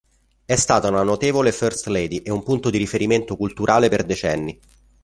È stata una notevole First Lady e un punto di riferimento culturale per decenni.